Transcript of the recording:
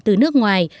từ nước ngoài